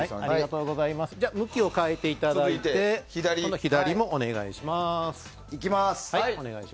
向きを変えていただいて左もお願いします。